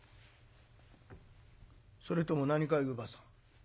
「それとも何かい乳母さん